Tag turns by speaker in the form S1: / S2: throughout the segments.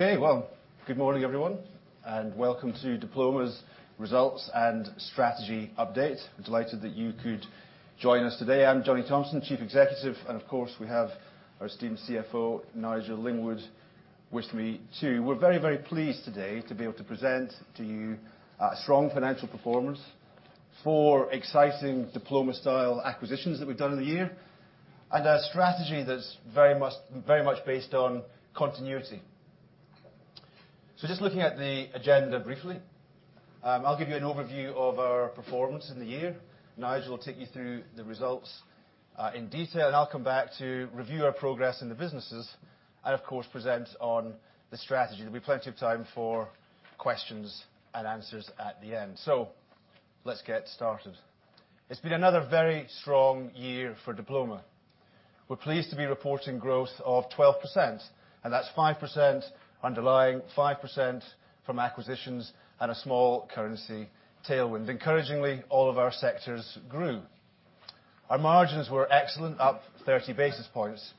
S1: Okay. Well, good morning, everyone, and welcome to Diploma's Results and Strategy Update. We're delighted that you could join us today. I'm Johnny Thomson, Chief Executive, and of course, we have our esteemed CFO, Nigel Lingwood, with me, too. We're very, very pleased today to be able to present to you a strong financial performance for exciting Diploma style acquisitions that we've done in the year, and a strategy that's very much based on continuity. Just looking at the agenda briefly, I'll give you an overview of our performance in the year. Nigel will take you through the results in detail, and I'll come back to review our progress in the businesses, and of course, present on the strategy. There'll be plenty of time for questions and answers at the end. Let's get started. It's been another very strong year for Diploma. We're pleased to be reporting growth of 12%. That's 5% underlying, 5% from acquisitions, a small currency tailwind. Encouragingly, all of our sectors grew. Our margins were excellent, up 30 basis points.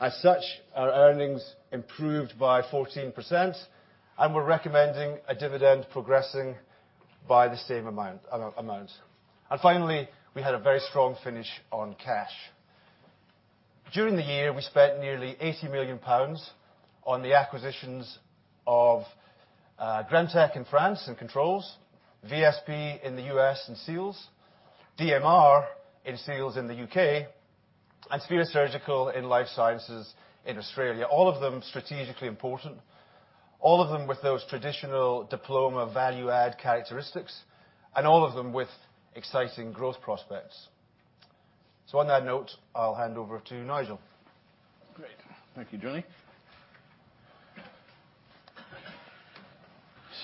S1: As such, our earnings improved by 14%. We're recommending a dividend progressing by the same amount. Finally, we had a very strong finish on cash. During the year, we spent nearly 80 million pounds on the acquisitions of Gremtek in France in controls, VSP in the U.S. in seals, DMR in seals in the U.K., Sphere Surgical in life sciences in Australia. All of them strategically important, all of them with those traditional Diploma value add characteristics, all of them with exciting growth prospects. On that note, I'll hand over to Nigel.
S2: Great. Thank you, Johnny.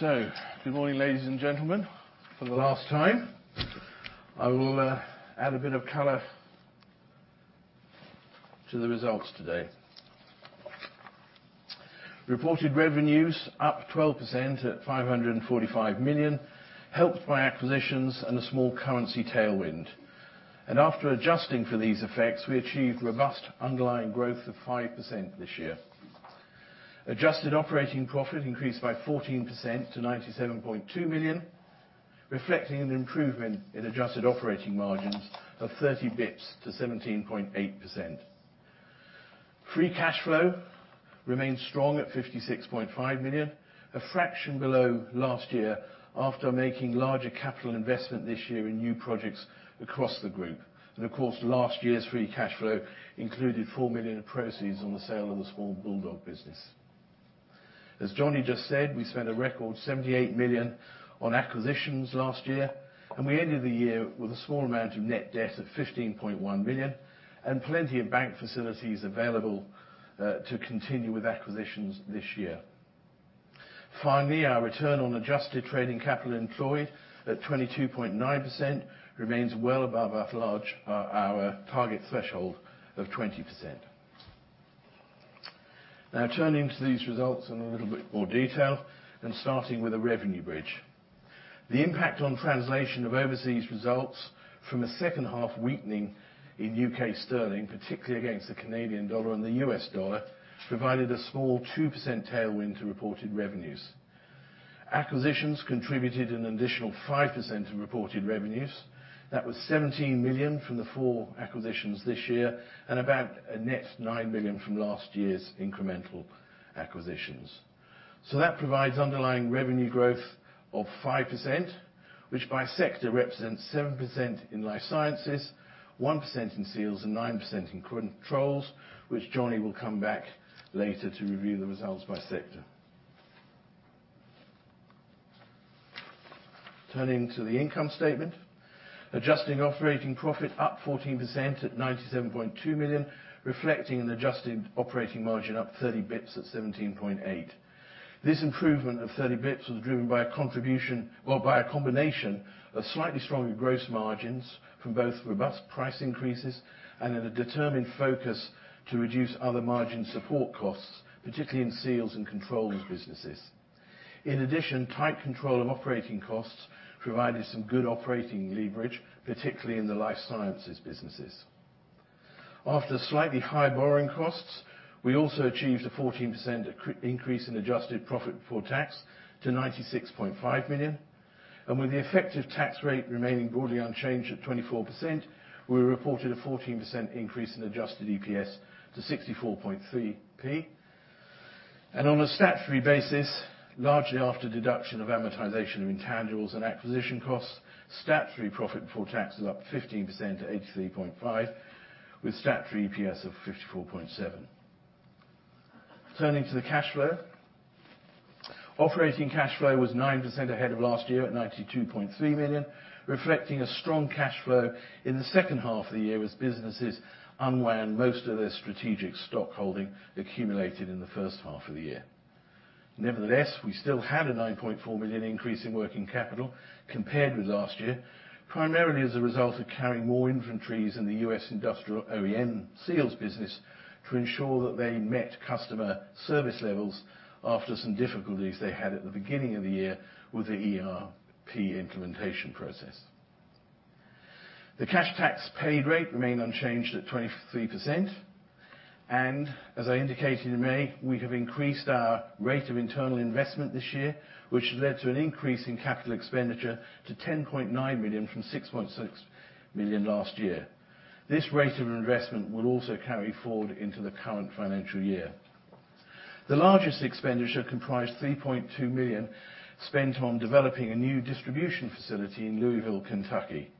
S2: Good morning, ladies and gentlemen, for the last time. I will add a bit of color to the results today. Reported revenues up 12% at 545 million, helped by acquisitions and a small currency tailwind. After adjusting for these effects, we achieved robust underlying growth of 5% this year. Adjusted operating profit increased by 14% to 97.2 million, reflecting an improvement in adjusted operating margins of 30 basis points to 17.8%. Free cash flow remains strong at 56.5 million, a fraction below last year after making larger capital investment this year in new projects across the group. Of course, last year's free cash flow included 4 million of proceeds on the sale of the small Bulldog business. As Johnny just said, we spent a record 78 million on acquisitions last year. We ended the year with a small amount of net debt of 15.1 million and plenty of bank facilities available to continue with acquisitions this year. Finally, our return on adjusted trading capital employed at 22.9% remains well above our target threshold of 20%. Now turning to these results in a little bit more detail, starting with a revenue bridge. The impact on translation of overseas results from a second half weakening in U.K. sterling, particularly against the Canadian dollar and the U.S. dollar, provided a small 2% tailwind to reported revenues. Acquisitions contributed an additional 5% of reported revenues. That was 17 million from the four acquisitions this year, and about a net 9 million from last year's incremental acquisitions. That provides underlying revenue growth of 5%, which by sector represents 7% in Life Sciences, 1% in Seals, and 9% in Controls, which Johnny Thomson will come back later to review the results by sector. Turning to the income statement. Adjusted operating profit up 14% at 97.2 million, reflecting an adjusted operating margin up 30 basis points at 17.8%. This improvement of 30 basis points was driven by a combination of slightly stronger gross margins from both robust price increases and in a determined focus to reduce other margin support costs, particularly in Seals and Controls businesses. In addition, tight control of operating costs provided some good operating leverage, particularly in the Life Sciences businesses. After slightly high borrowing costs, we also achieved a 14% increase in adjusted profit before tax to 96.5 million. With the effective tax rate remaining broadly unchanged at 24%, we reported a 14% increase in adjusted EPS to 0.643. On a statutory basis, largely after deduction of amortization of intangibles and acquisition costs, statutory profit before tax was up 15% to 83.5 million, with statutory EPS of 0.547. Turning to the cash flow. Operating cash flow was 9% ahead of last year at 92.3 million, reflecting a strong cash flow in the second half of the year as businesses unwound most of their strategic stock holding accumulated in the first half of the year. Nevertheless, we still had a 9.4 million increase in working capital compared with last year, primarily as a result of carrying more inventories in the U.S. industrial OEM seals business to ensure that they met customer service levels after some difficulties they had at the beginning of the year with the ERP implementation process. The cash tax paid rate remained unchanged at 23%. As I indicated in May, we have increased our rate of internal investment this year, which has led to an increase in capital expenditure to 10.9 million from 6.6 million last year. This rate of investment will also carry forward into the current financial year. The largest expenditure comprised 3.2 million spent on developing a new distribution facility in Louisville, Kentucky.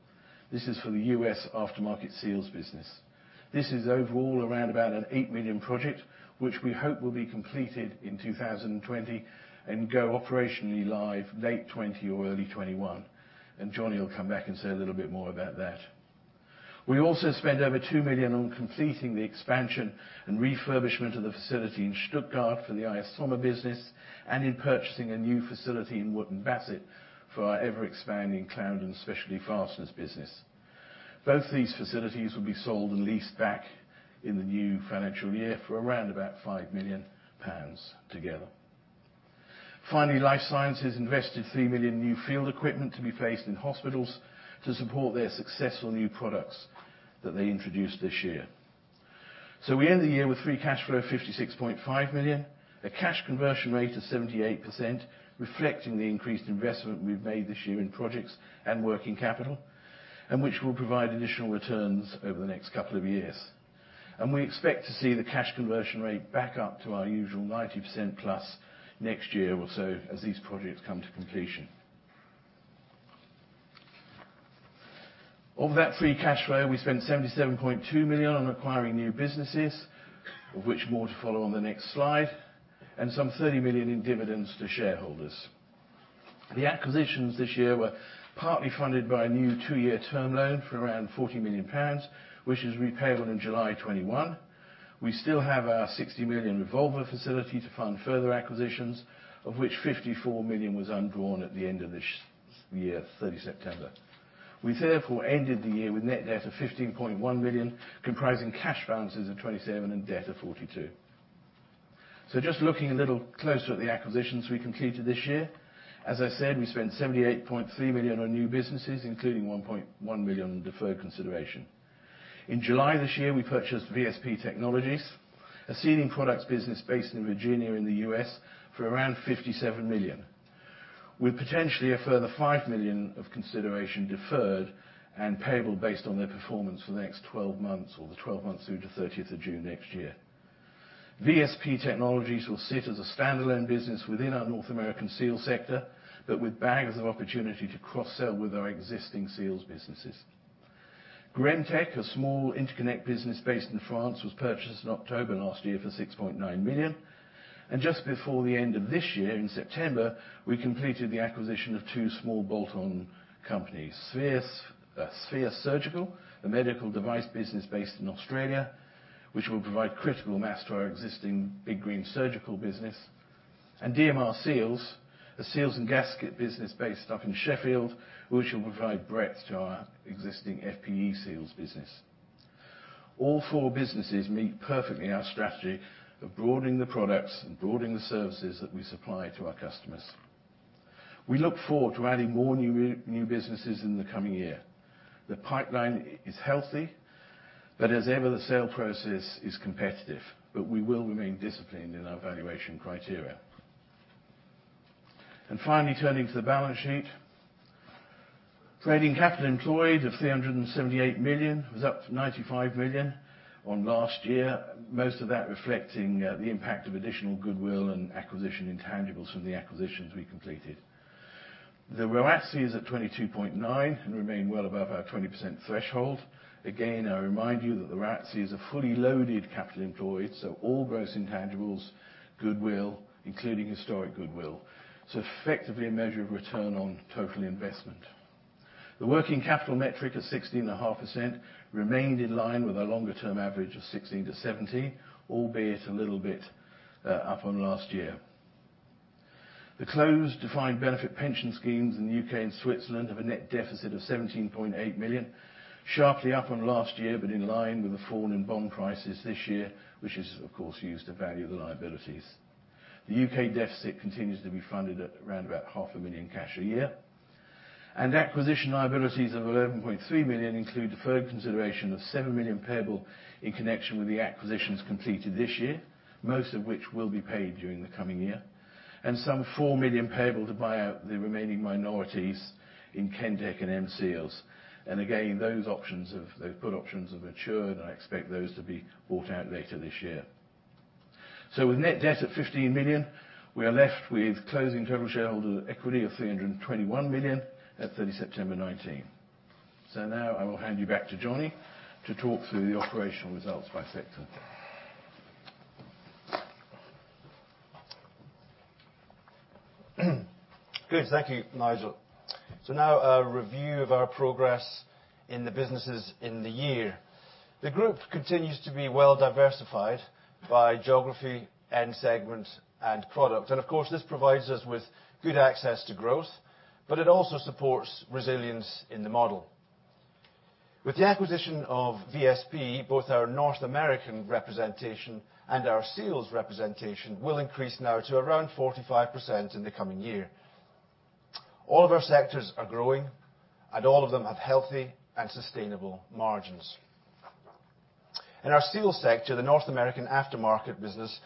S2: This is for the U.S. aftermarket seals business. This is overall around about a 8 million project, which we hope will be completed in 2020 and go operationally live late 2020 or early 2021. Johnny will come back and say a little bit more about that. We also spent over 2 million on completing the expansion and refurbishment of the facility in Stuttgart for the ISOMER business and in purchasing a new facility in Wootton Bassett for our ever-expanding Clarendon Specialty Fasteners business. Both these facilities will be sold and leased back in the new financial year for around about 5 million pounds together. Finally, Life Sciences invested 3 million new field equipment to be placed in hospitals to support their successful new products that they introduced this year. We end the year with free cash flow of 56.5 million, a cash conversion rate of 78%, reflecting the increased investment we've made this year in projects and working capital, and which will provide additional returns over the next couple of years. We expect to see the cash conversion rate back up to our usual 90% plus next year or so as these projects come to completion. Of that free cash flow, we spent 77.2 million on acquiring new businesses, of which more to follow on the next slide, and some 30 million in dividends to shareholders. The acquisitions this year were partly funded by a new two-year term loan for around 40 million pounds, which is repayable in July 2021. We still have our 60 million revolver facility to fund further acquisitions, of which 54 million was undrawn at the end of this year, 30 September. We therefore ended the year with net debt of 15.1 million, comprising cash balances of 27 million and debt of 42 million. Just looking a little closer at the acquisitions we completed this year. As I said, we spent 78.3 million on new businesses, including 1.1 million deferred consideration. In July this year, we purchased VSP Technologies, a sealing products business based in Virginia in the U.S., for around 57 million. With potentially a further 5 million of consideration deferred and payable based on their performance for the next 12 months or the 12 months through to 30th of June next year. VSP Technologies will sit as a standalone business within our North American Seals sector, but with bags of opportunity to cross-sell with our existing seals businesses. Gremtek, a small interconnect business based in France, was purchased in October last year for 6.9 million. Just before the end of this year, in September, we completed the acquisition of two small bolt-on companies. Sphere Surgical, a medical device business based in Australia, which will provide critical mass to our existing Big Green Surgical business. DMR Seals, a seals and gasket business based up in Sheffield, which will provide breadth to our existing FPE Seals business. All four businesses meet perfectly our strategy of broadening the products and broadening the services that we supply to our customers. We look forward to adding more new businesses in the coming year. The pipeline is healthy, but as ever, the sale process is competitive, but we will remain disciplined in our valuation criteria. Finally, turning to the balance sheet. Trading capital employed of 378 million was up 95 million on last year, most of that reflecting the impact of additional goodwill and acquisition intangibles from the acquisitions we completed. The ROACE is at 22.9% and remain well above our 20% threshold. I remind you that the ROACE is a fully loaded capital employed, all gross intangibles, goodwill, including historic goodwill. Effectively, a measure of return on total investment. The working capital metric of 16.5% remained in line with our longer term average of 16%-17%, albeit a little bit up on last year. The closed defined benefit pension schemes in the U.K. and Switzerland have a net deficit of 17.8 million, sharply up on last year, in line with the fall in bond prices this year, which is of course, used to value the liabilities. The U.K. deficit continues to be funded at around about GBP half a million cash a year. Acquisition liabilities of 11.3 million include deferred consideration of 7 million payable in connection with the acquisitions completed this year, most of which will be paid during the coming year. Some 4 million payable to buy out the remaining minorities in Kendoc and M-Seals. Again, those put options have matured, and I expect those to be bought out later this year. With net debt at 15 million, we are left with closing total shareholder equity of 321 million at September 30, 2019. Now I will hand you back to Johnny Thomson to talk through the operational results by sector.
S1: Good. Thank you, Nigel. Now a review of our progress in the businesses in the year. The group continues to be well diversified by geography and segment and product. Of course, this provides us with good access to growth, but it also supports resilience in the model. With the acquisition of VSP, both our North American representation and our seals representation will increase now to around 45% in the coming year. All of our sectors are growing, and all of them have healthy and sustainable margins. In our Seals sector, the North American aftermarket business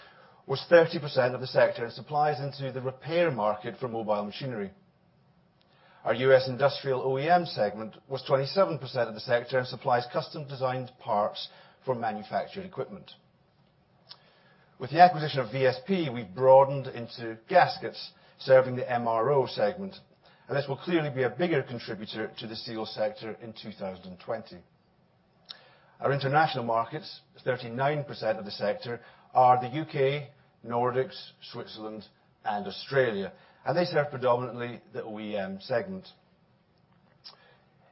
S1: was 30% of the sector and supplies into the repair market for mobile machinery. Our U.S. industrial OEM segment was 27% of the sector and supplies custom-designed parts for manufactured equipment. With the acquisition of VSP, we broadened into gaskets serving the MRO segment, and this will clearly be a bigger contributor to the Seals sector in 2020. Our international markets, 39% of the sector, are the U.K., Nordics, Switzerland, and Australia, and they serve predominantly the OEM segment.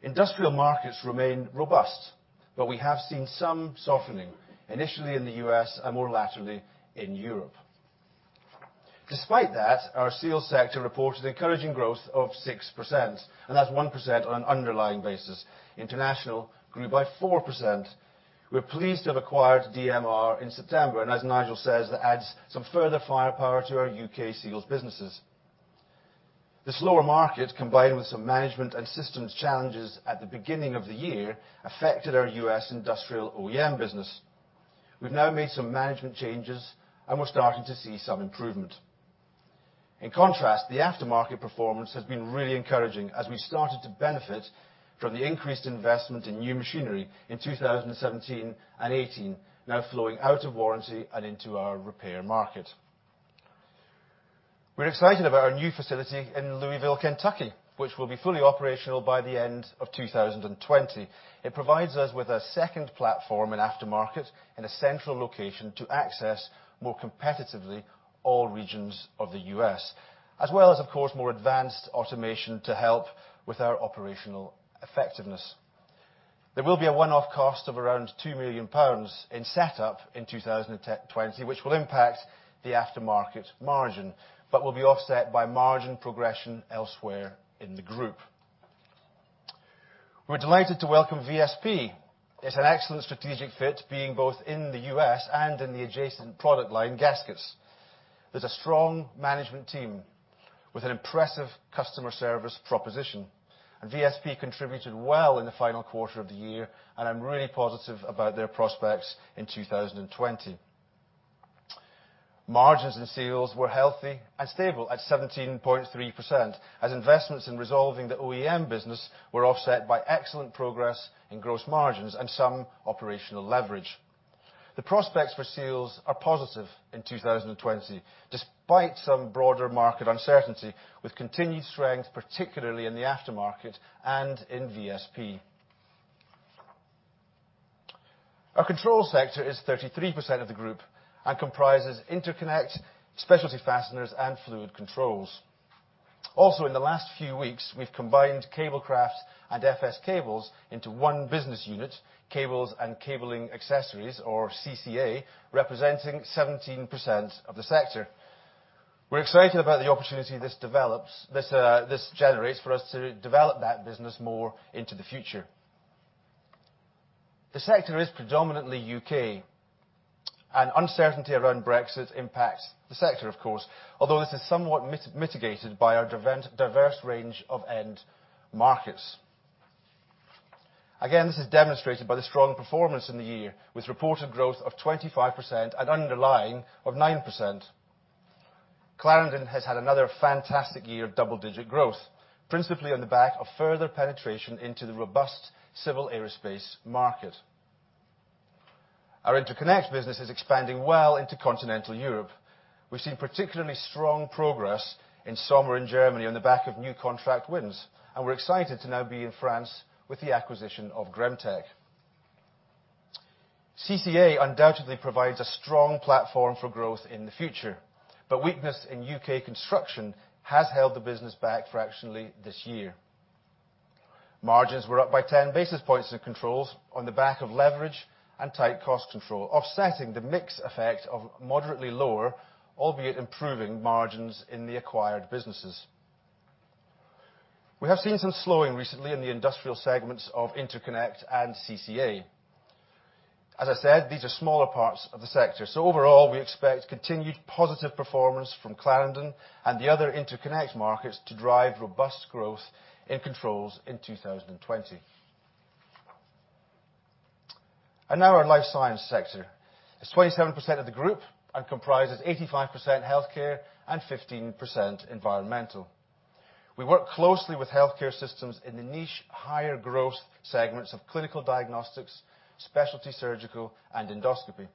S1: Industrial markets remain robust, but we have seen some softening, initially in the U.S., and more laterally in Europe. Despite that, our Seals sector reported encouraging growth of 6%, and that's 1% on an underlying basis. International grew by 4%. We're pleased to have acquired DMR in September, and as Nigel says, that adds some further firepower to our U.K. Seals businesses. The slower market, combined with some management and systems challenges at the beginning of the year, affected our U.S. industrial OEM business. We've now made some management changes, and we're starting to see some improvement. In contrast, the aftermarket performance has been really encouraging as we started to benefit from the increased investment in new machinery in 2017 and 2018, now flowing out of warranty and into our repair market. We're excited about our new facility in Louisville, Kentucky, which will be fully operational by the end of 2020. It provides us with a second platform in aftermarket in a central location to access more competitively all regions of the U.S., as well as, of course, more advanced automation to help with our operational effectiveness. There will be a one-off cost of around 2 million pounds in setup in 2020, which will impact the aftermarket margin, Will be offset by margin progression elsewhere in the group. We're delighted to welcome VSP. It's an excellent strategic fit, being both in the U.S. and in the adjacent product line, gaskets. There's a strong management team with an impressive customer service proposition. VSP contributed well in the final quarter of the year, and I'm really positive about their prospects in 2020. Margins in Seals were healthy and stable at 17.3% as investments in resolving the OEM business were offset by excellent progress in gross margins and some operational leverage. The prospects for Seals are positive in 2020, despite some broader market uncertainty, with continued strength, particularly in the aftermarket and in VSP. Our Controls sector is 33% of the group and comprises interconnect, specialty fasteners, and fluid controls. Also, in the last few weeks, we've combined Cablecraft and FS Cables into one business unit, Cables and Cabling Accessories, or CCA, representing 17% of the sector. We're excited about the opportunity this generates for us to develop that business more into the future. The sector is predominantly U.K., and uncertainty around Brexit impacts the sector, of course, although this is somewhat mitigated by our diverse range of end markets. Again, this is demonstrated by the strong performance in the year, with reported growth of 25% and underlying of 9%. Clarendon has had another fantastic year of double-digit growth, principally on the back of further penetration into the robust civil aerospace market. Our interconnect business is expanding well into Continental Europe. We've seen particularly strong progress in Sommer in Germany on the back of new contract wins, and we're excited to now be in France with the acquisition of Gremtek. CCA undoubtedly provides a strong platform for growth in the future, but weakness in U.K. construction has held the business back fractionally this year. Margins were up by 10 basis points in Controls on the back of leverage and tight cost control, offsetting the mix effect of moderately lower, albeit improving margins in the acquired businesses. We have seen some slowing recently in the industrial segments of interconnect and CCA. As I said, these are smaller parts of the sector, so overall, we expect continued positive performance from Clarendon and the other interconnect markets to drive robust growth in Controls in 2020. Now our Life Sciences sector. It's 27% of the group and comprises 85% healthcare and 15% environmental. We work closely with healthcare systems in the niche, higher growth segments of clinical diagnostics, specialty surgical, and endoscopy.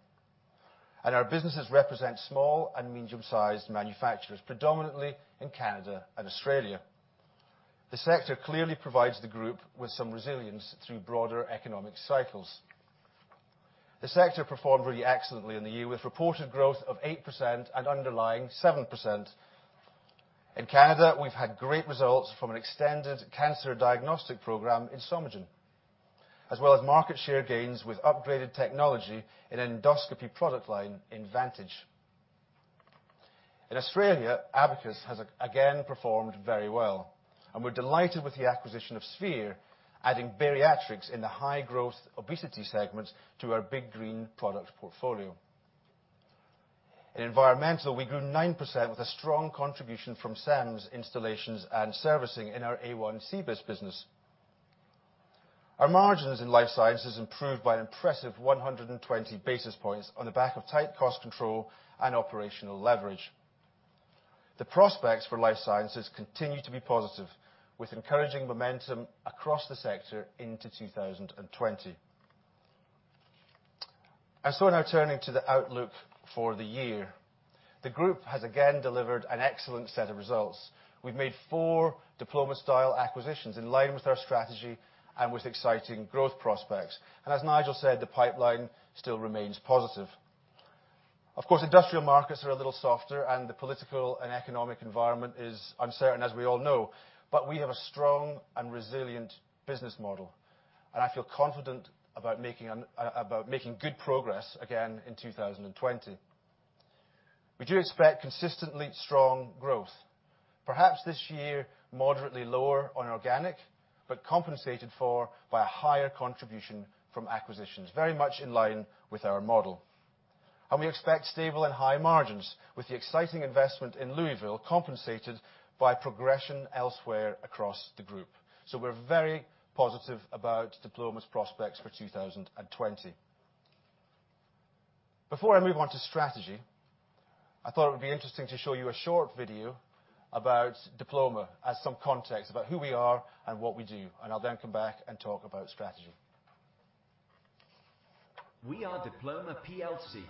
S1: Our businesses represent small and medium-sized manufacturers, predominantly in Canada and Australia. The sector clearly provides the group with some resilience through broader economic cycles. The sector performed really excellently in the year, with reported growth of 8% and underlying 7%. In Canada, we've had great results from an extended cancer diagnostic program in Somagen, as well as market share gains with upgraded technology in endoscopy product line in Vantage. In Australia, Abacus has again performed very well, and we're delighted with the acquisition of Sphere, adding bariatrics in the high growth obesity segment to our Big Green Surgical product portfolio. In environmental, we grew 9% with a strong contribution from SEMS installations and servicing in our a1-cbiss business. Our margins in life sciences improved by an impressive 120 basis points on the back of tight cost control and operational leverage. The prospects for life sciences continue to be positive, with encouraging momentum across the sector into 2020. Now turning to the outlook for the year. The group has again delivered an excellent set of results. We've made four Diploma style acquisitions in line with our strategy and with exciting growth prospects. As Nigel said, the pipeline still remains positive. Of course, industrial markets are a little softer and the political and economic environment is uncertain, as we all know. We have a strong and resilient business model, and I feel confident about making good progress again in 2020. We do expect consistently strong growth, perhaps this year, moderately lower on organic, but compensated for by a higher contribution from acquisitions, very much in line with our model. We expect stable and high margins with the exciting investment in Louisville compensated by progression elsewhere across the group. We're very positive about Diploma's prospects for 2020. Before I move on to strategy, I thought it would be interesting to show you a short video about Diploma as some context about who we are and what we do. I'll then come back and talk about strategy.
S3: We are Diploma PLC,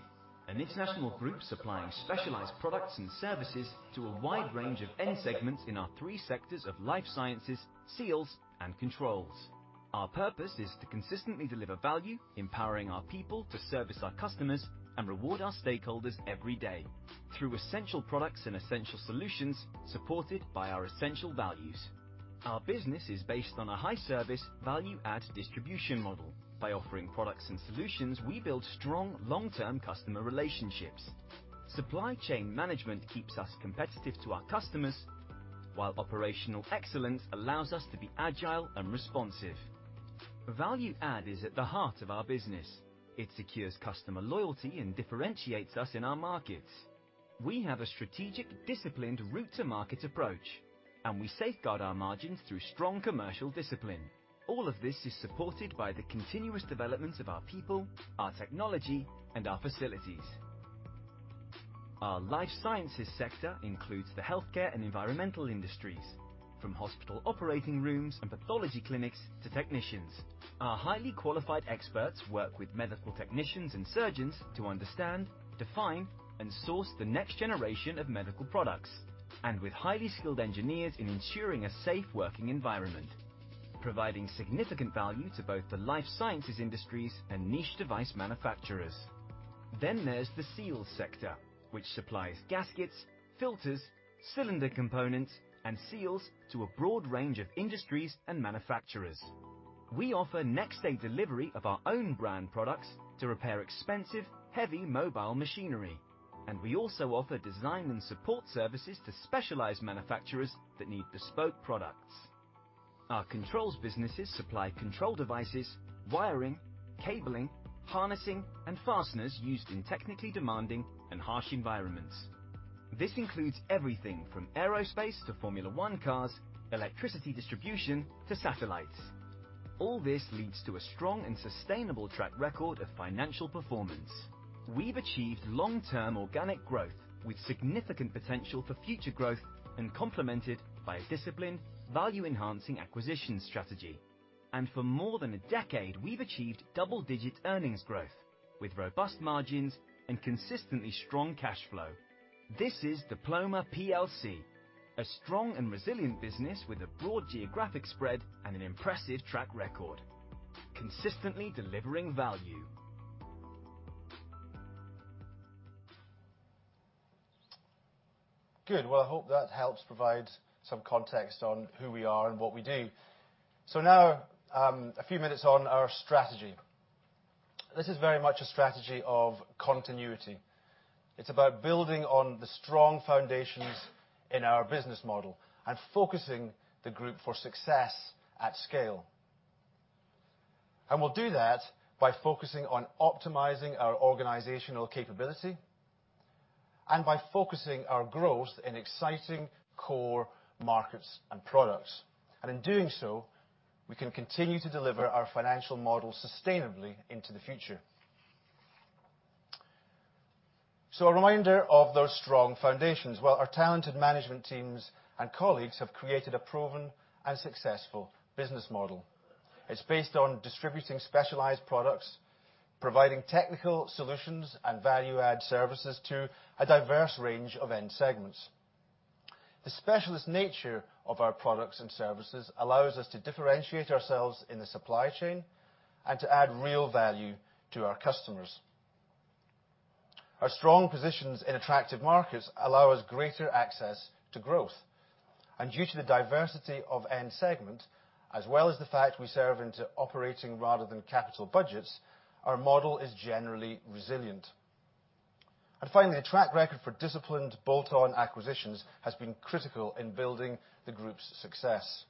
S3: an international group supplying specialized products and services to a wide range of end segments in our three sectors of life sciences, seals, and controls. Our purpose is to consistently deliver value, empowering our people to service our customers and reward our stakeholders every day through essential products and essential solutions, supported by our essential values. Our business is based on a high service value add distribution model. By offering products and solutions, we build strong long-term customer relationships. Supply chain management keeps us competitive to our customers, while operational excellence allows us to be agile and responsive. Value add is at the heart of our business. It secures customer loyalty and differentiates us in our markets. We have a strategic, disciplined route to market approach, and we safeguard our margins through strong commercial discipline. All of this is supported by the continuous development of our people, our technology, and our facilities. Our life sciences sector includes the healthcare and environmental industries, from hospital operating rooms and pathology clinics to technicians. Our highly qualified experts work with medical technicians and surgeons to understand, define, and source the next generation of medical products. With highly skilled engineers in ensuring a safe working environment, providing significant value to both the Life Sciences industries and niche device manufacturers. There's the Seals sector, which supplies gaskets, filters, cylinder components, and seals to a broad range of industries and manufacturers. We offer next-day delivery of our own brand products to repair expensive, heavy mobile machinery. We also offer design and support services to specialized manufacturers that need bespoke products. Our Controls businesses supply control devices, wiring, cabling, harnessing, and fasteners used in technically demanding and harsh environments. This includes everything from aerospace to Formula 1 cars, electricity distribution to satellites. All this leads to a strong and sustainable track record of financial performance. We've achieved long-term organic growth with significant potential for future growth and complemented by a disciplined, value-enhancing acquisition strategy. For more than a decade, we've achieved double-digit earnings growth with robust margins and consistently strong cash flow. This is Diploma PLC, a strong and resilient business with a broad geographic spread and an impressive track record, consistently delivering value.
S1: Good. Well, I hope that helps provide some context on who we are and what we do. Now, a few minutes on our strategy. This is very much a strategy of continuity. It's about building on the strong foundations in our business model and focusing the group for success at scale. We'll do that by focusing on optimizing our organizational capability and by focusing our growth in exciting core markets and products. In doing so, we can continue to deliver our financial model sustainably into the future. A reminder of those strong foundations. Well, our talented management teams and colleagues have created a proven and successful business model. It's based on distributing specialized products, providing technical solutions and value-add services to a diverse range of end segments. The specialist nature of our products and services allows us to differentiate ourselves in the supply chain and to add real value to our customers. Our strong positions in attractive markets allow us greater access to growth. Due to the diversity of end segment, as well as the fact we serve into operating rather than capital budgets, our model is generally resilient. Finally, the track record for disciplined bolt-on acquisitions has been critical in building the group's success.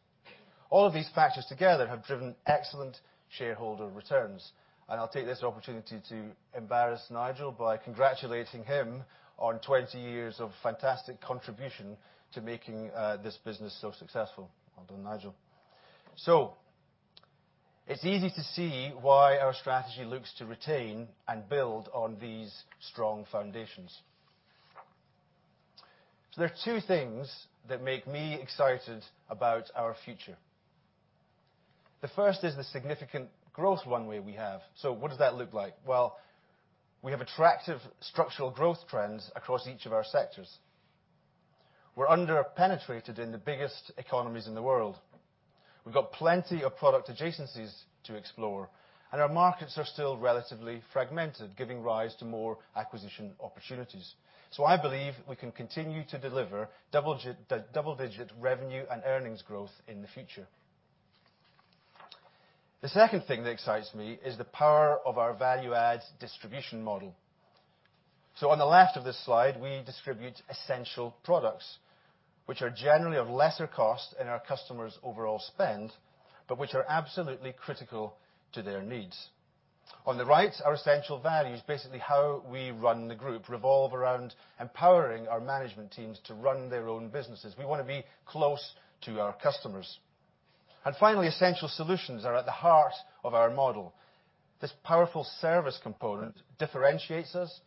S1: All of these factors together have driven excellent shareholder returns. I'll take this opportunity to embarrass Nigel by congratulating him on 20 years of fantastic contribution to making this business so successful. Well done, Nigel. It's easy to see why our strategy looks to retain and build on these strong foundations. There are two things that make me excited about our future. The first is the significant growth runway we have. What does that look like? Well, we have attractive structural growth trends across each of our sectors. We're under-penetrated in the biggest economies in the world. We've got plenty of product adjacencies to explore, and our markets are still relatively fragmented, giving rise to more acquisition opportunities. I believe we can continue to deliver double-digit revenue and earnings growth in the future. The second thing that excites me is the power of our value-add distribution model. On the left of this slide, we distribute essential products, which are generally of lesser cost in our customers' overall spend, but which are absolutely critical to their needs. On the right, our essential values, basically how we run the group, revolve around empowering our management teams to run their own businesses. We want to be close to our customers. Finally, essential solutions are at the heart of our model. This powerful service component differentiates us,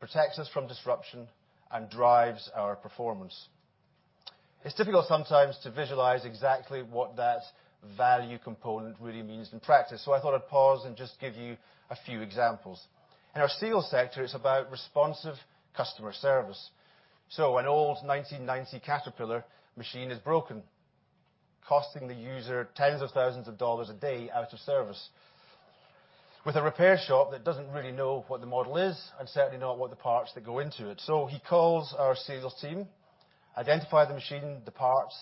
S1: protects us from disruption, and drives our performance. It's difficult sometimes to visualize exactly what that value component really means in practice. I thought I'd pause and just give you a few examples. In our SEAL sector, it's about responsive customer service. An old 1990 Caterpillar machine is broken, costing the user GBP tens of thousands a day out of service. With a repair shop that doesn't really know what the model is, and certainly not what the parts that go into it. He calls our SEALs team, identify the machine, the parts,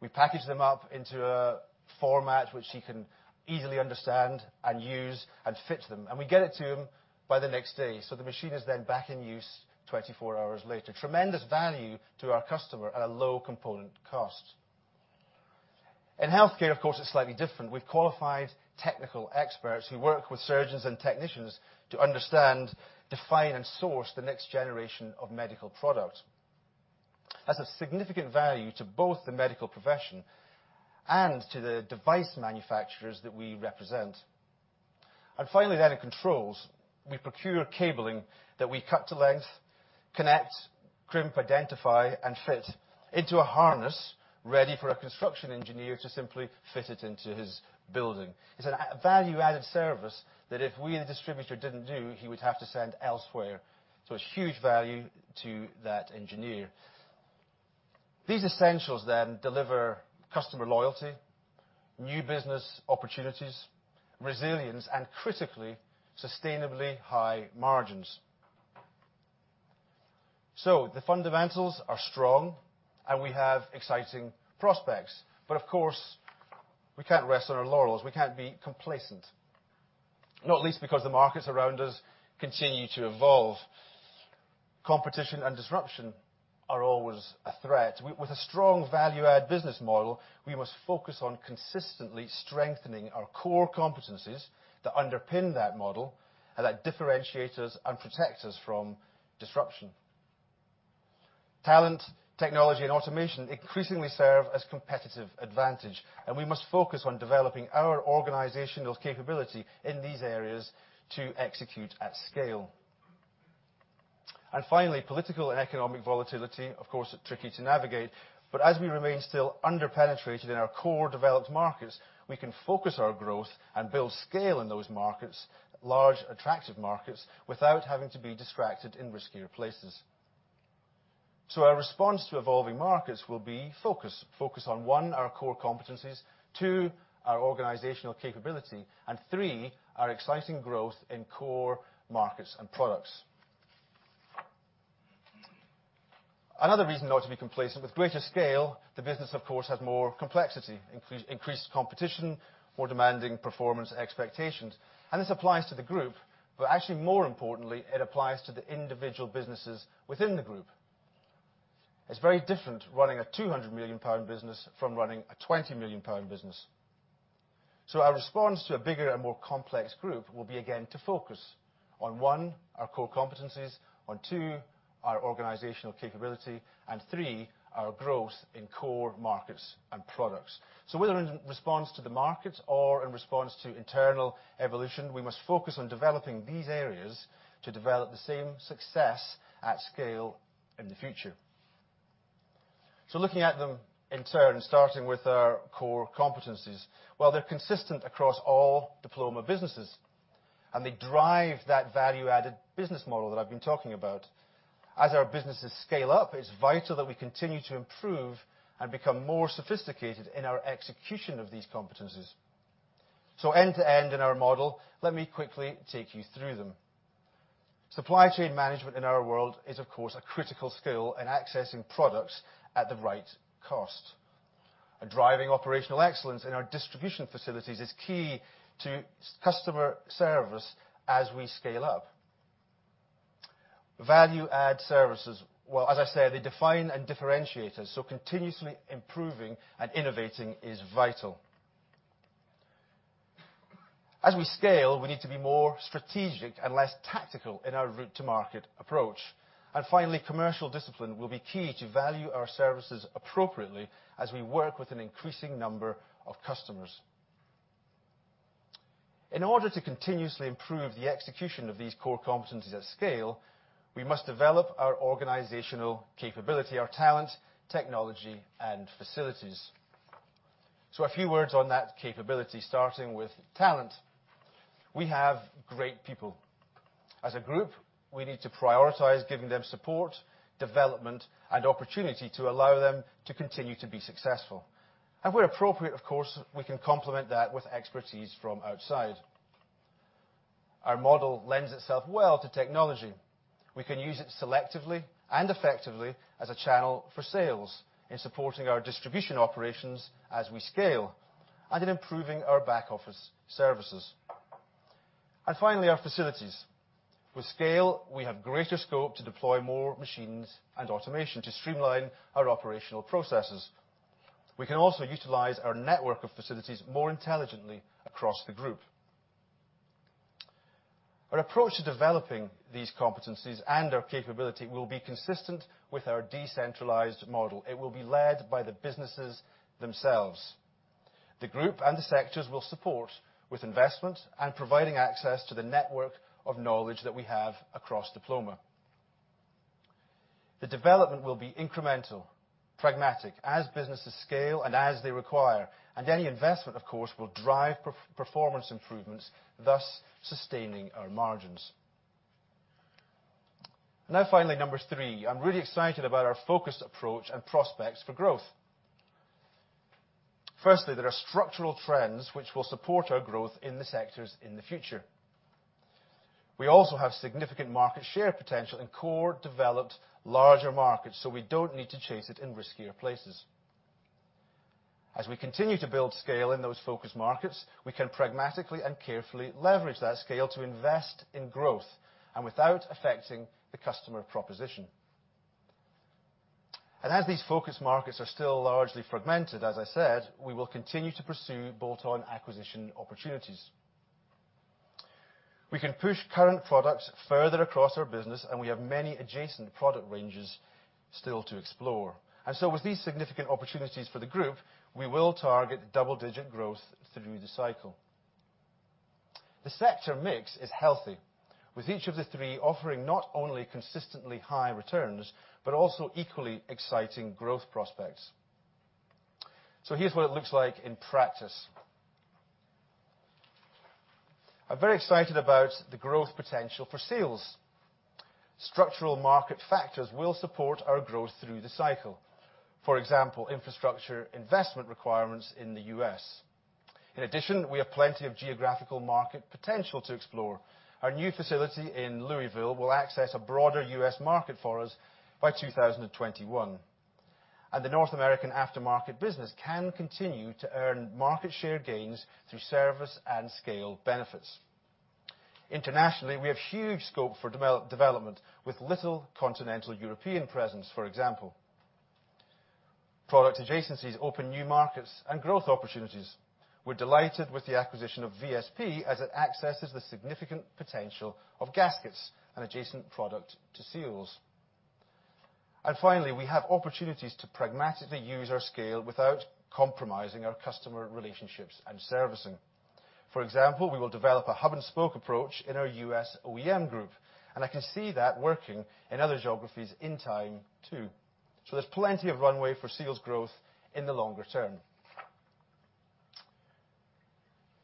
S1: we package them up into a format which he can easily understand and use and fit them. We get it to him by the next day. The machine is then back in use 24 hours later. Tremendous value to our customer at a low component cost. In healthcare, of course, it's slightly different. We've qualified technical experts who work with surgeons and technicians to understand, define, and source the next generation of medical product. That's a significant value to both the medical profession and to the device manufacturers that we represent. Finally, then in controls, we procure cabling that we cut to length, connect, crimp, identify, and fit into a harness ready for a construction engineer to simply fit it into his building. It's a value-added service that if we, the distributor, didn't do, he would have to send elsewhere. It's huge value to that engineer. These essentials then deliver customer loyalty, new business opportunities, resilience, and critically, sustainably high margins. The fundamentals are strong, and we have exciting prospects. Of course, we can't rest on our laurels. We can't be complacent, not least because the markets around us continue to evolve. Competition and disruption are always a threat. With a strong value-add business model, we must focus on consistently strengthening our core competencies that underpin that model and that differentiate us and protect us from disruption. Talent, technology, and automation increasingly serve as competitive advantage, and we must focus on developing our organizational capability in these areas to execute at scale. Finally, political and economic volatility, of course, are tricky to navigate, but as we remain still under-penetrated in our core developed markets, we can focus our growth and build scale in those markets, large, attractive markets, without having to be distracted in riskier places. Our response to evolving markets will be focus. Focus on, one, our core competencies, two, our organizational capability, and three, our exciting growth in core markets and products. Another reason not to be complacent, with greater scale the business, of course, has more complexity, increased competition, more demanding performance expectations. This applies to the group, but actually more importantly, it applies to the individual businesses within the group. It's very different running a 200 million pound business from running a 20 million pound business. Our response to a bigger and more complex group will be, again, to focus on, one, our core competencies, on two, our organizational capability, and three, our growth in core markets and products. Whether in response to the markets or in response to internal evolution, we must focus on developing these areas to develop the same success at scale in the future. Looking at them in turn, starting with our core competencies, while they're consistent across all Diploma businesses, and they drive that value-added business model that I've been talking about. As our businesses scale up, it's vital that we continue to improve and become more sophisticated in our execution of these competencies. End to end in our model, let me quickly take you through them. Supply chain management in our world is, of course, a critical skill in accessing products at the right cost. Driving operational excellence in our distribution facilities is key to customer service as we scale up. Value-add services. Well, as I said, they define and differentiate us, so continuously improving and innovating is vital. As we scale, we need to be more strategic and less tactical in our route to market approach. Finally, commercial discipline will be key to value our services appropriately as we work with an increasing number of customers. In order to continuously improve the execution of these core competencies at scale, we must develop our organizational capability, our talent, technology, and facilities. A few words on that capability, starting with talent. We have great people. As a group, we need to prioritize giving them support, development, and opportunity to allow them to continue to be successful. Where appropriate, of course, we can complement that with expertise from outside. Our model lends itself well to technology. We can use it selectively and effectively as a channel for sales in supporting our distribution operations as we scale and in improving our back-office services. Finally, our facilities. With scale, we have greater scope to deploy more machines and automation to streamline our operational processes. We can also utilize our network of facilities more intelligently across the group. Our approach to developing these competencies and our capability will be consistent with our decentralized model. It will be led by the businesses themselves. The group and the sectors will support with investment and providing access to the network of knowledge that we have across Diploma. The development will be incremental, pragmatic, as businesses scale and as they require. Any investment, of course, will drive performance improvements, thus sustaining our margins. Now, finally, number 3. I'm really excited about our focused approach and prospects for growth. Firstly, there are structural trends which will support our growth in the sectors in the future. We also have significant market share potential in core, developed, larger markets, so we don't need to chase it in riskier places. As we continue to build scale in those focus markets, we can pragmatically and carefully leverage that scale to invest in growth, and without affecting the customer proposition. As these focus markets are still largely fragmented, as I said, we will continue to pursue bolt-on acquisition opportunities. We can push current products further across our business, and we have many adjacent product ranges still to explore. With these significant opportunities for the group, we will target double-digit growth through the cycle. The sector mix is healthy, with each of the three offering not only consistently high returns, but also equally exciting growth prospects. Here's what it looks like in practice. I'm very excited about the growth potential for seals. Structural market factors will support our growth through the cycle. For example, infrastructure investment requirements in the U.S. In addition, we have plenty of geographical market potential to explore. Our new facility in Louisville will access a broader U.S. market for us by 2021. The North American aftermarket business can continue to earn market share gains through service and scale benefits. Internationally, we have huge scope for development with little continental European presence, for example. Product adjacencies open new markets and growth opportunities. We're delighted with the acquisition of VSP, as it accesses the significant potential of gaskets, an adjacent product to seals. Finally, we have opportunities to pragmatically use our scale without compromising our customer relationships and servicing. For example, we will develop a hub-and-spoke approach in our U.S. OEM group, and I can see that working in other geographies in time, too. There's plenty of runway for seals growth in the longer term.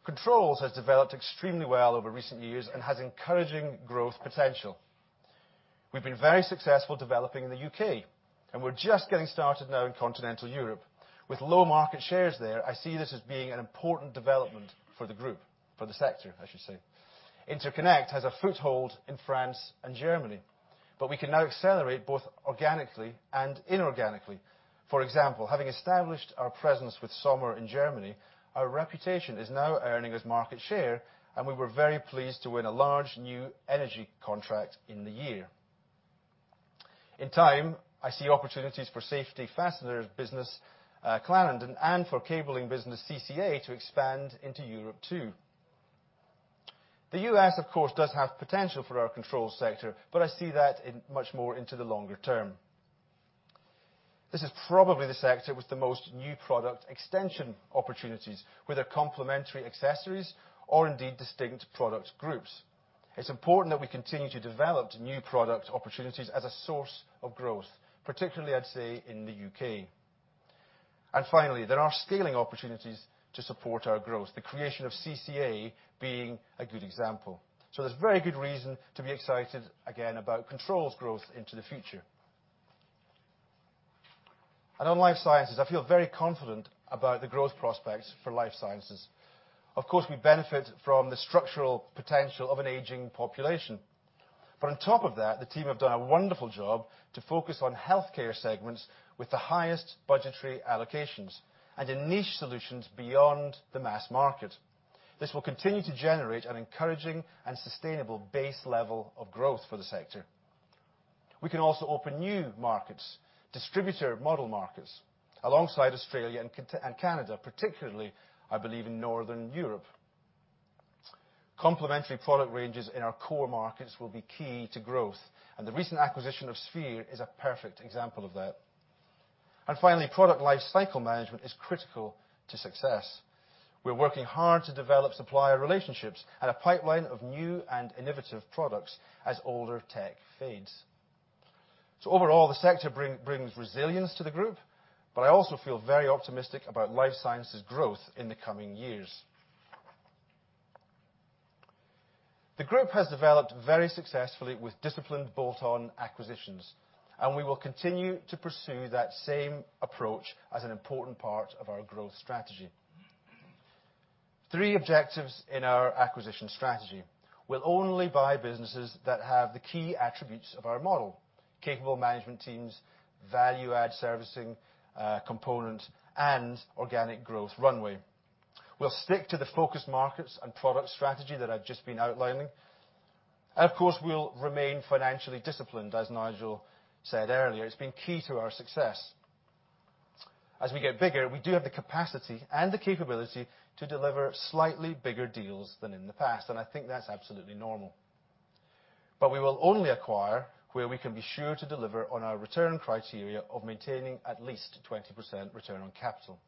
S1: Controls has developed extremely well over recent years and has encouraging growth potential. We've been very successful developing in the U.K., and we're just getting started now in continental Europe. With low market shares there, I see this as being an important development for the group. For the sector, I should say. Interconnect has a foothold in France and Germany, we can now accelerate both organically and inorganically. For example, having established our presence with Sommer in Germany, our reputation is now earning us market share, and we were very pleased to win a large new energy contract in the year. In time, I see opportunities for specialty fasteners business, Clarendon and for cabling business CCA to expand into Europe, too. The U.S., of course, does have potential for our control sector, I see that much more into the longer term. This is probably the sector with the most new product extension opportunities, whether complementary accessories or indeed distinct product groups. It's important that we continue to develop new product opportunities as a source of growth, particularly I'd say in the U.K. Finally, there are scaling opportunities to support our growth, the creation of CCA being a good example. There's very good reason to be excited again about controls growth into the future. On life sciences, I feel very confident about the growth prospects for life sciences. Of course, we benefit from the structural potential of an aging population. On top of that, the team have done a wonderful job to focus on healthcare segments with the highest budgetary allocations and in niche solutions beyond the mass market. This will continue to generate an encouraging and sustainable base level of growth for the sector. We can also open new markets, distributor model markets, alongside Australia and Canada, particularly, I believe in Northern Europe. Complementary product ranges in our core markets will be key to growth, the recent acquisition of Sphere is a perfect example of that. Finally, product life cycle management is critical to success. We're working hard to develop supplier relationships, and a pipeline of new and innovative products as older tech fades. Overall, the sector brings resilience to the group, but I also feel very optimistic about life sciences growth in the coming years. The group has developed very successfully with disciplined bolt-on acquisitions, and we will continue to pursue that same approach as an important part of our growth strategy. Three objectives in our acquisition strategy. We'll only buy businesses that have the key attributes of our model, capable management teams, value-add servicing component, and organic growth runway. We'll stick to the focus markets and product strategy that I've just been outlining. Of course, we'll remain financially disciplined, as Nigel said earlier. It's been key to our success. As we get bigger, we do have the capacity and the capability to deliver slightly bigger deals than in the past, and I think that's absolutely normal. We will only acquire where we can be sure to deliver on our return criteria of maintaining at least 20% return on capital.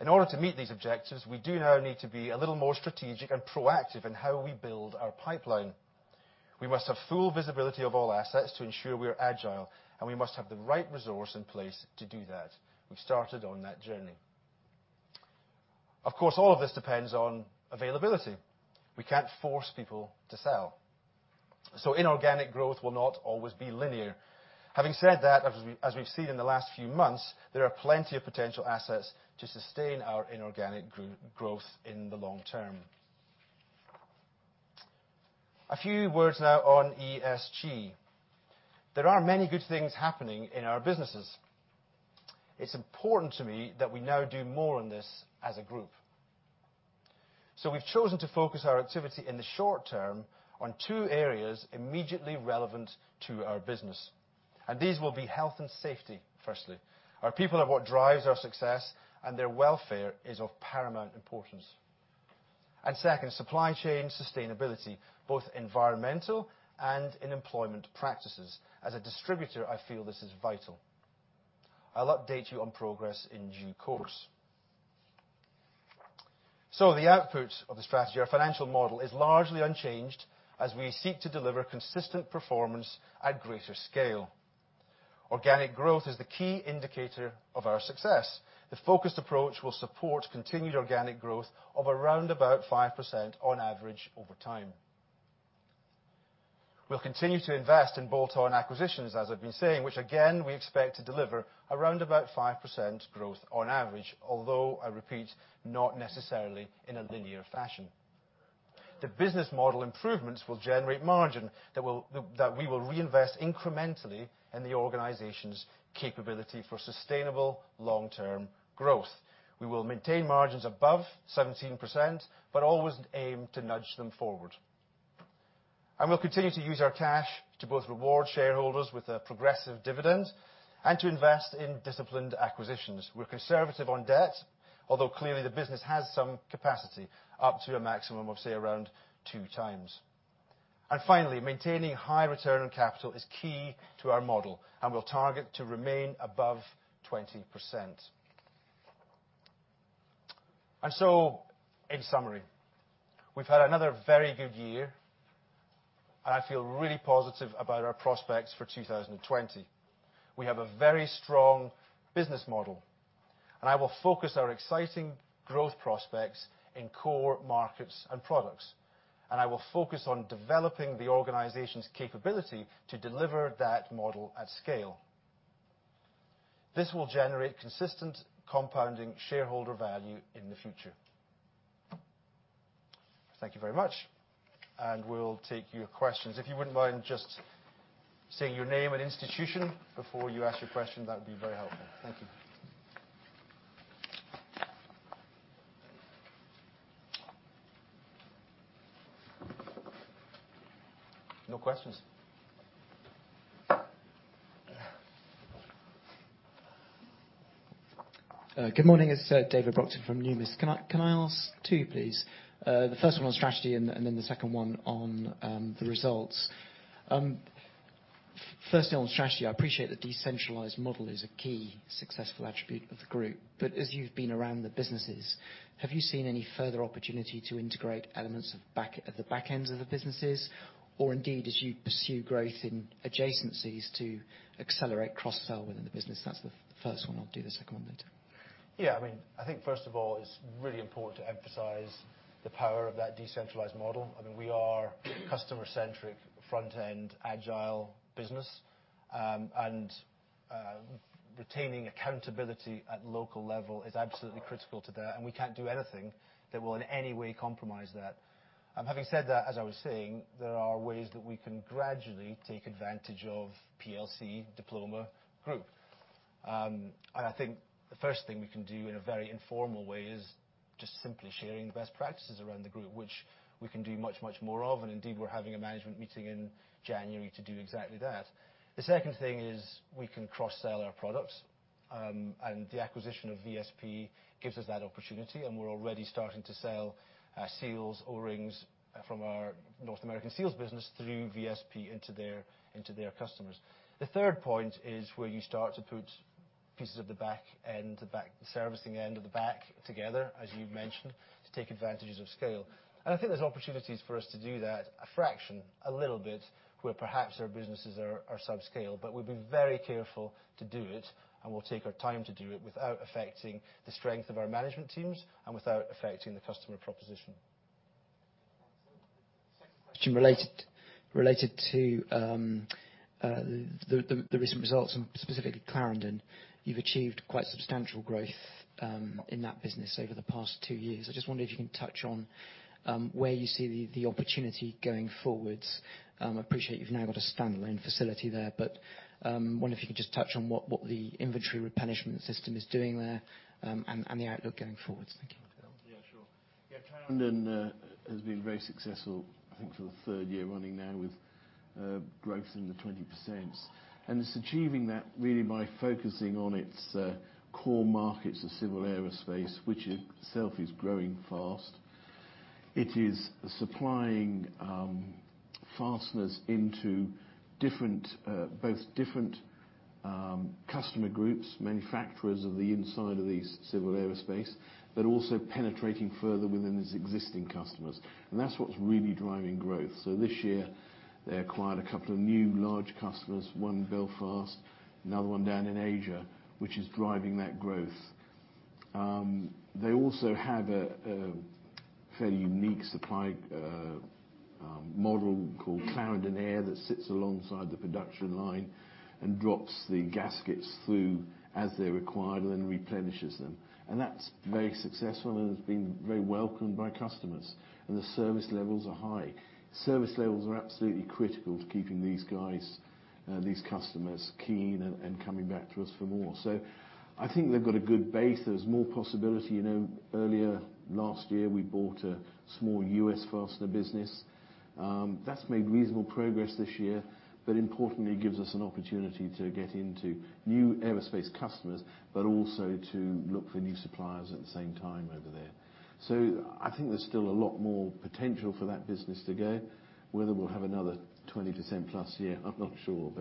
S1: In order to meet these objectives, we do now need to be a little more strategic and proactive in how we build our pipeline. We must have full visibility of all assets to ensure we are agile, and we must have the right resource in place to do that. We've started on that journey. Of course, all of this depends on availability. We can't force people to sell. Inorganic growth will not always be linear. Having said that, as we've seen in the last few months, there are plenty of potential assets to sustain our inorganic growth in the long term. A few words now on ESG. There are many good things happening in our businesses. It's important to me that we now do more on this as a group. We've chosen to focus our activity in the short term on two areas immediately relevant to our business, and these will be health and safety, firstly. Our people are what drives our success, and their welfare is of paramount importance. Second, supply chain sustainability, both environmental and in employment practices. As a distributor, I feel this is vital. I'll update you on progress in due course. The output of the strategy, our financial model is largely unchanged as we seek to deliver consistent performance at greater scale. Organic growth is the key indicator of our success. The focused approach will support continued organic growth of around about 5% on average over time. We'll continue to invest in bolt-on acquisitions, as I've been saying, which again, we expect to deliver around about 5% growth on average, although, I repeat, not necessarily in a linear fashion. The business model improvements will generate margin that we will reinvest incrementally in the organization's capability for sustainable long-term growth. We will maintain margins above 17%, but always aim to nudge them forward. We'll continue to use our cash to both reward shareholders with a progressive dividend, and to invest in disciplined acquisitions. We're conservative on debt, although clearly the business has some capacity, up to a maximum of, say, around two times. Finally, maintaining high return on capital is key to our model, and we'll target to remain above 20%. In summary, we've had another very good year, and I feel really positive about our prospects for 2020. We have a very strong business model, and I will focus our exciting growth prospects in core markets and products. I will focus on developing the organization's capability to deliver that model at scale. This will generate consistent compounding shareholder value in the future. Thank you very much, and we'll take your questions. If you wouldn't mind just saying your name and institution before you ask your question, that would be very helpful. Thank you. No questions?
S4: Good morning. It's David Brockton from Numis. Can I ask two, please? The first one on strategy. The second one on the results. Firstly, on strategy, I appreciate the decentralized model is a key successful attribute of the group. As you've been around the businesses, have you seen any further opportunity to integrate elements of the back ends of the businesses? Indeed, as you pursue growth in adjacencies to accelerate cross-sell within the business? That's the first one. I'll do the second one later.
S1: Yeah. I think first of all, it's really important to emphasize the power of that decentralized model. We are customer-centric, front-end, agile business. Retaining accountability at local level is absolutely critical to that, and we can't do anything that will in any way compromise that. Having said that, as I was saying, there are ways that we can gradually take advantage of PLC Diploma Group. I think the first thing we can do in a very informal way is just simply sharing the best practices around the group, which we can do much, much more of. Indeed, we're having a management meeting in January to do exactly that. The second thing is we can cross-sell our products. The acquisition of VSP gives us that opportunity, and we're already starting to sell our seals, O-rings from our North American Seals business through VSP into their customers. The third point is where you start to put pieces of the back end, the servicing end of the back together, as you mentioned, to take advantages of scale. I think there's opportunities for us to do that, a fraction, a little bit, where perhaps our businesses are subscale. We'll be very careful to do it, and we'll take our time to do it without affecting the strength of our management teams and without affecting the customer proposition.
S4: Johnny, related to the recent results and specifically Clarendon. You've achieved quite substantial growth in that business over the past two years. I just wonder if you can touch on where you see the opportunity going forwards. I appreciate you've now got a standalone facility there, but wonder if you could just touch on what the inventory replenishment system is doing there, and the outlook going forwards. Thank you.
S1: Yeah, sure. Clarendon has been very successful, I think for the third year running now, with growth in the 20%. It's achieving that really by focusing on its core markets of civil aerospace, which itself is growing fast. It is supplying fasteners into both different customer groups, manufacturers of the inside of the civil aerospace, but also penetrating further within its existing customers. That's what's really driving growth. This year they acquired a couple of new large customers, one in Belfast, another one down in Asia, which is driving that growth. They also have a fairly unique supply model called Clarendon AIR that sits alongside the production line and drops the gaskets through as they're required and then replenishes them. That's very successful, and has been very welcomed by customers. The service levels are high.
S2: Service levels are absolutely critical to keeping these guys, these customers, keen and coming back to us for more. I think they've got a good base. There's more possibility. Earlier last year, we bought a small U.S. fastener business. That's made reasonable progress this year, but importantly gives us an opportunity to get into new aerospace customers, but also to look for new suppliers at the same time over there. I think there's still a lot more potential for that business to go. Whether we'll have another 20%+ year, I'm not sure.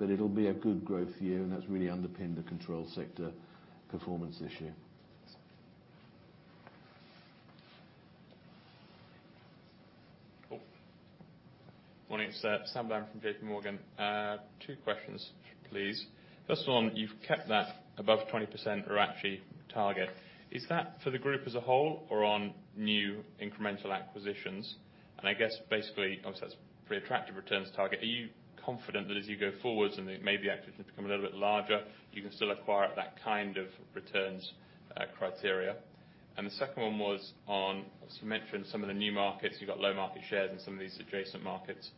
S2: It'll be a good growth year, and that's really underpinned the Controls sector performance this year.
S5: Thanks.
S6: Morning. It's Sam Brown from J.P. Morgan. Two questions, please. First one, you've kept that above 20% ROACE target. Is that for the group as a whole, or on new incremental acquisitions? I guess, basically, obviously that's pretty attractive returns target. Are you confident that as you go forwards and maybe actually become a little bit larger, you can still acquire at that kind of returns criteria? The second one was on, as you mentioned, some of the new markets. You got low market shares in some of these adjacent markets.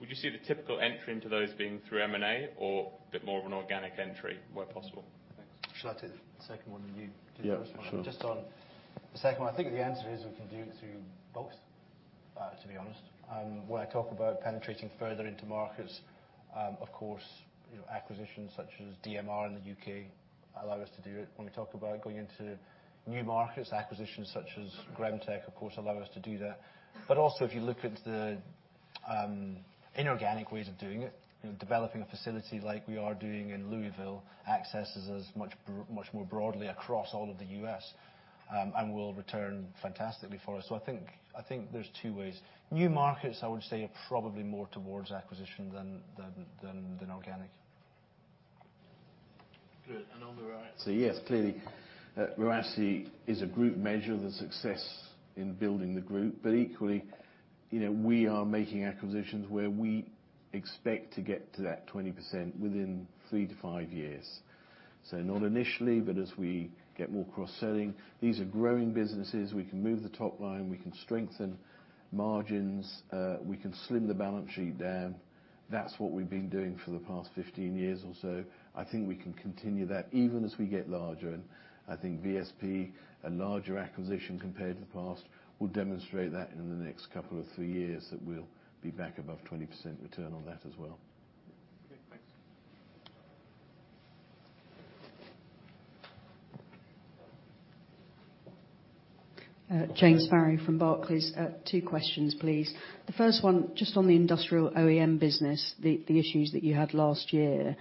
S6: Would you see the typical entry into those being through M&A or a bit more of an organic entry where possible?
S1: Should I take the second one, and you do the first one?
S2: Yeah, sure.
S1: Just on the second one, I think the answer is we can do it through both, to be honest. When I talk about penetrating further into markets, of course, acquisitions such as DMR in the U.K. allow us to do it. When we talk about going into new markets, acquisitions such as Gremtek, of course, allow us to do that. If you look into the inorganic ways of doing it, developing a facility like we are doing in Louisville, accesses us much more broadly across all of the U.S., and will return fantastically for us. I think there's two ways. New markets, I would say, are probably more towards acquisition than organic.
S6: Good. On the ROACE?
S2: Yes, clearly ROACE is a group measure of the success in building the group. Equally, we are making acquisitions where we expect to get to that 20% within three to five years. Not initially, but as we get more cross-selling. These are growing businesses. We can move the top line, we can strengthen margins, we can slim the balance sheet down. That's what we've been doing for the past 15 years or so. I think we can continue that even as we get larger. I think VSP, a larger acquisition compared to the past, will demonstrate that in the next couple or three years that we'll be back above 20% return on that as well.
S6: Okay, thanks.
S5: Jane Fry from Barclays. Two questions, please. The first one, just on the industrial OEM business, the issues that you had last year.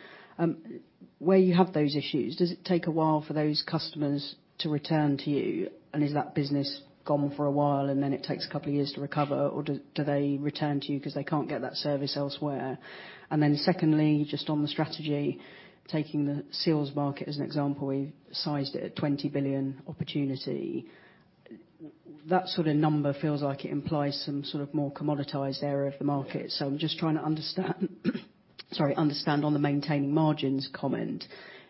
S5: Where you have those issues, does it take a while for those customers to return to you? Is that business gone for a while, and then it takes a couple of years to recover? Do they return to you because they can't get that service elsewhere? Then secondly, just on the strategy, taking the seals market as an example, we sized it at 20 billion opportunity. That sort of number feels like it implies some sort of more commoditized area of the market. I'm just trying to sorry, understand on the maintaining margins comment.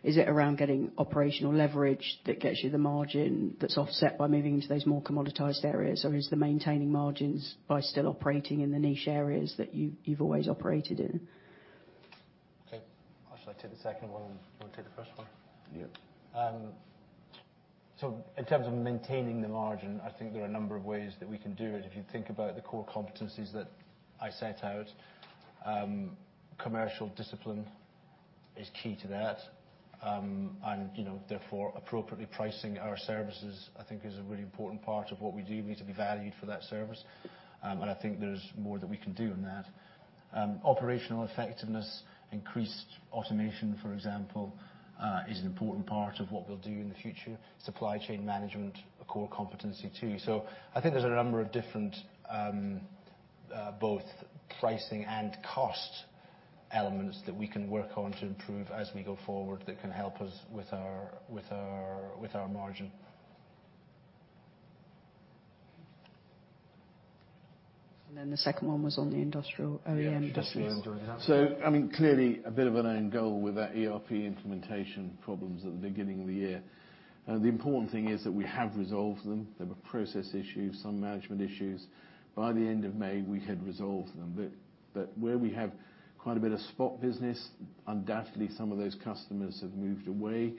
S5: Is it around getting operational leverage that gets you the margin that is offset by moving into those more commoditized areas, or is the maintaining margins by still operating in the niche areas that you have always operated in?
S1: Okay. I'll actually take the second one. Do you want to take the first one?
S2: Yeah.
S1: In terms of maintaining the margin, I think there are a number of ways that we can do it. If you think about the core competencies that I set out, commercial discipline is key to that. Therefore appropriately pricing our services, I think, is a really important part of what we do. We need to be valued for that service. I think there's more that we can do on that. Operational effectiveness, increased automation, for example, is an important part of what we'll do in the future. Supply chain management, a core competency too. I think there's a number of different both pricing and cost elements that we can work on to improve as we go forward that can help us with our margin.
S5: The second one was on the industrial OEM business.
S2: Industrial. Clearly a bit of an own goal with that ERP implementation problems at the beginning of the year. The important thing is that we have resolved them. There were process issues, some management issues. By the end of May, we had resolved them. Where we have quite a bit of spot business, undoubtedly some of those customers have moved away.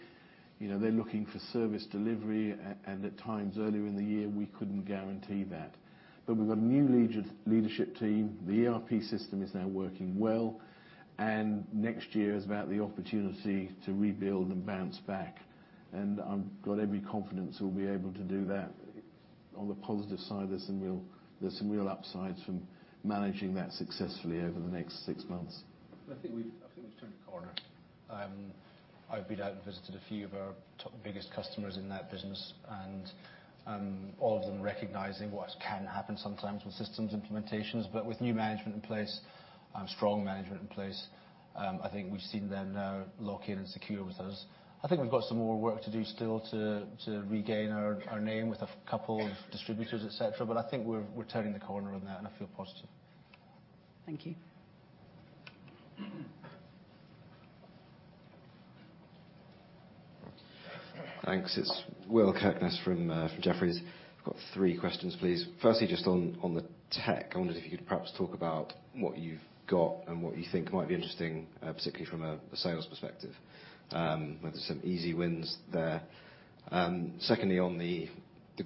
S2: They're looking for service delivery. At times earlier in the year, we couldn't guarantee that. We've got a new leadership team. The ERP system is now working well, and next year is about the opportunity to rebuild and bounce back. I've got every confidence we'll be able to do that. On the positive side, there's some real upsides from managing that successfully over the next six months.
S1: I think we've turned a corner. I've been out and visited a few of our top biggest customers in that business, and all of them recognizing what can happen sometimes with systems implementations. With new management in place, strong management in place, I think we've seen them now lock in and secure with us. I think we've got some more work to do still to regain our name with a couple of distributors, et cetera. I think we're turning the corner on that, and I feel positive.
S5: Thank you.
S7: Thanks. It is Will Kirkness from Jefferies. I have got three questions, please. Firstly, just on the tech, I wondered if you could perhaps talk about what you have got and what you think might be interesting, particularly from a sales perspective, whether there is some easy wins there. Secondly, on the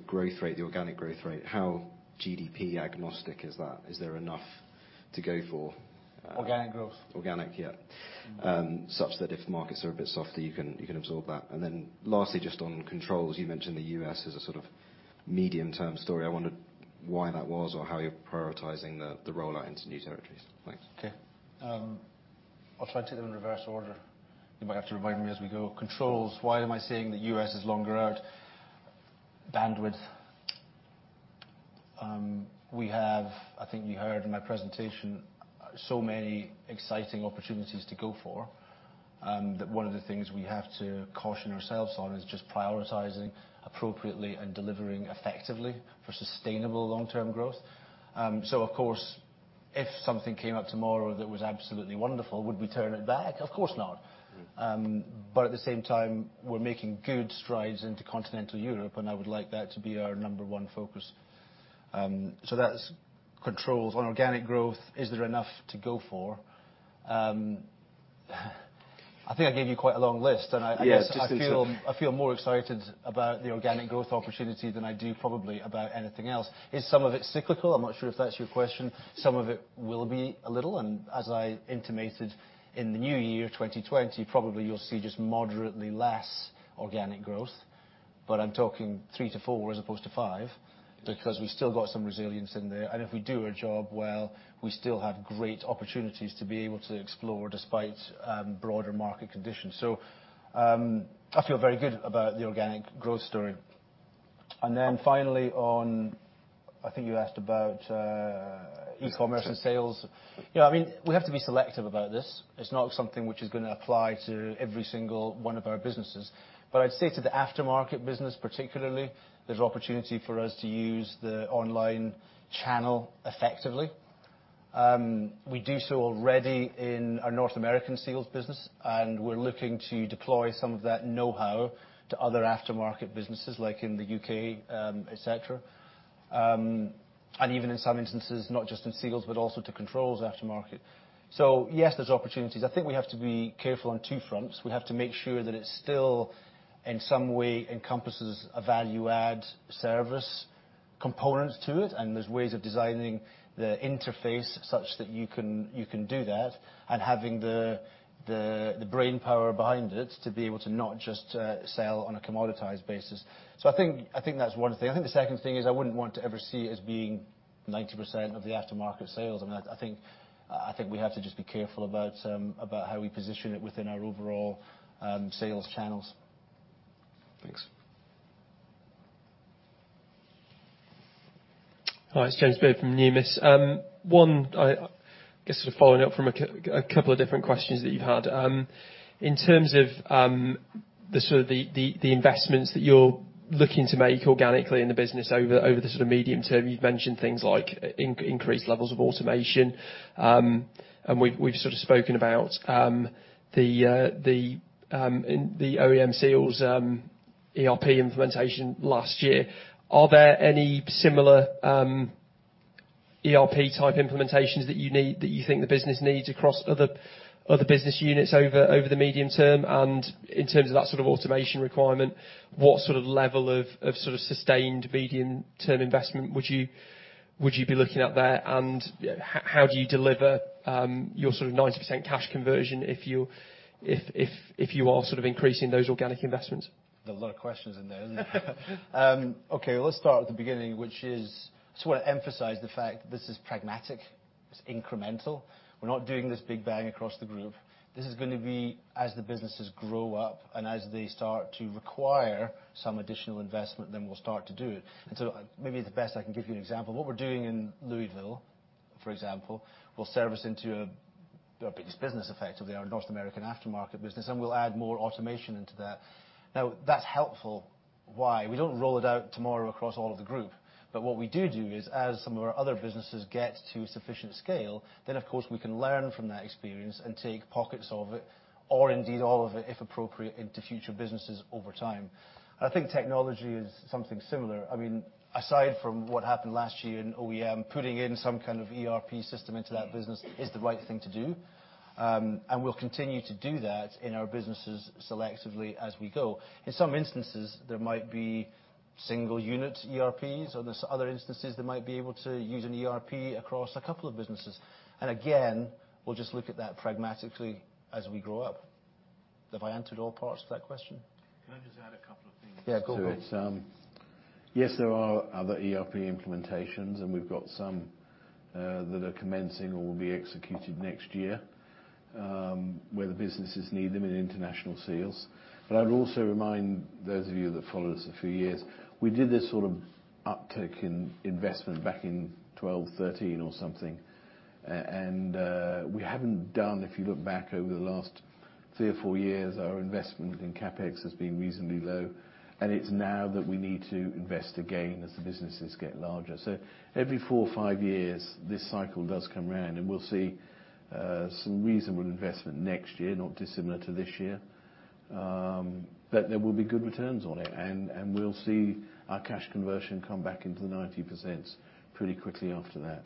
S7: growth rate, the organic growth rate, how GDP agnostic is that? Is there enough to go for-
S1: Organic growth?
S7: Organic, yeah. Such that if the markets are a bit softer, you can absorb that. Lastly, just on Controls, you mentioned the U.S. as a sort of medium-term story. I wondered why that was or how you're prioritizing the rollout into new territories. Thanks.
S1: Okay. I'll try to take them in reverse order. You might have to remind me as we go. Controls. Why am I saying the U.S. is longer out? Bandwidth. We have, I think you heard in my presentation, so many exciting opportunities to go for, and one of the things we have to caution ourselves on is just prioritizing appropriately and delivering effectively for sustainable long-term growth. Of course, if something came up tomorrow that was absolutely wonderful, would we turn it back? Of course not. At the same time, we're making good strides into continental Europe, and I would like that to be our number one focus. That's Controls. On organic growth, is there enough to go for? I think I gave you quite a long list, and I guess-
S2: Yeah
S1: I feel more excited about the organic growth opportunity than I do probably about anything else. Is some of it cyclical? I'm not sure if that's your question. Some of it will be a little, and as I intimated in the new year, 2020, probably you'll see just moderately less organic growth. I'm talking three to four as opposed to five because we've still got some resilience in there. If we do our job well, we still have great opportunities to be able to explore despite broader market conditions. I feel very good about the organic growth story. Finally on, I think you asked about e-commerce and sales. We have to be selective about this. It's not something which is going to apply to every single one of our businesses. I'd say to the aftermarket business particularly, there's opportunity for us to use the online channel effectively. We do so already in our North American Seals business, and we're looking to deploy some of that knowhow to other aftermarket businesses like in the U.K., et cetera. Even in some instances, not just in Seals, but also to Controls aftermarket. Yes, there's opportunities. I think we have to be careful on two fronts. We have to make sure that it still, in some way, encompasses a value-add service component to it, and there's ways of designing the interface such that you can do that. Having the brainpower behind it to be able to not just sell on a commoditized basis. I think that's one thing. I think the second thing is I wouldn't want to ever see it as being 90% of the aftermarket sales. I think we have to just be careful about how we position it within our overall sales channels.
S7: Thanks.
S8: Hi, it's James Beard from Numis. I guess following up from a couple of different questions that you've had. In terms of the sort of the investments that you're looking to make organically in the business over the sort of medium term, you've mentioned things like increased levels of automation. We've sort of spoken about the OEM Seals ERP implementation last year. Are there any similar ERP type implementations that you think the business needs across other business units over the medium term? In terms of that sort of automation requirement, what sort of level of sort of sustained medium-term investment would you be looking at there? How do you deliver your sort of 90% cash conversion if you are increasing those organic investments?
S1: There are a lot of questions in there, isn't it? Well, let's start at the beginning, which is, I just want to emphasize the fact that this is pragmatic, it's incremental. We're not doing this big bang across the group. This is going to be as the businesses grow up and as they start to require some additional investment, then we'll start to do it. Maybe the best I can give you an example. What we're doing in Louisville, for example, will service into our biggest business effectively, our North American aftermarket business, and we'll add more automation into that. That's helpful. Why? We don't roll it out tomorrow across all of the group. What we do do is as some of our other businesses get to sufficient scale, of course, we can learn from that experience and take pockets of it, or indeed all of it, if appropriate, into future businesses over time. I think technology is something similar. Aside from what happened last year in OEM, putting in some kind of ERP system into that business is the right thing to do. We'll continue to do that in our businesses selectively as we go. In some instances, there might be single unit ERPs or there's other instances that might be able to use an ERP across a couple of businesses. Again, we'll just look at that pragmatically as we grow up. Have I answered all parts of that question?
S2: Can I just add a couple of things to it?
S1: Yeah, go for it.
S2: Yes, there are other ERP implementations. We've got some that are commencing or will be executed next year, where the businesses need them in international sales. I would also remind those of you that followed us a few years, we did this sort of uptick in investment back in 2012, 2013 or something. We haven't done, if you look back over the last three or four years, our investment in CapEx has been reasonably low. It's now that we need to invest again as the businesses get larger. Every four or five years, this cycle does come around. We'll see some reasonable investment next year, not dissimilar to this year. There will be good returns on it, and we'll see our cash conversion come back into the 90% pretty quickly after that.